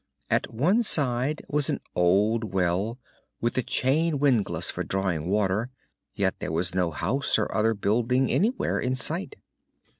At one side was an old well, with a chain windlass for drawing water, yet there was no house or other building anywhere in sight.